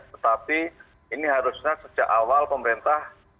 tetapi ini harusnya sejak awal pemerintah